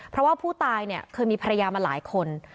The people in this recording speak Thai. เพราะว่าผู้ตายเนี่ยเคยมีภรรยามาหลายคน